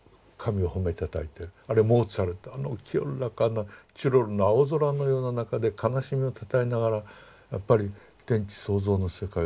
あるいはモーツァルトあの清らかなチロルの青空のような中で悲しみをたたえながらやっぱり天地創造の世界を歌い上げてる。